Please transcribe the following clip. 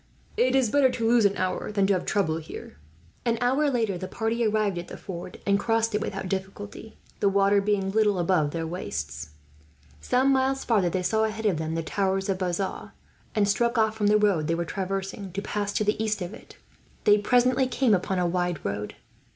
"It is better to lose an hour, than to have trouble here." An hour later, the party arrived at the ford and crossed it without difficulty, the water being little above their waists. Some miles farther, they saw ahead of them the towers of Bazas; and struck off from the road they were traversing, to pass to the east of it. They presently came upon a wide road.